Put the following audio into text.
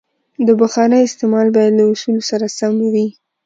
د بخارۍ استعمال باید له اصولو سره سم وي.